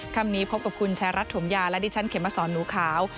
คำนี้พบกับคุณชายรัฐถมยาและดิฉันเขมสอนหนูขาว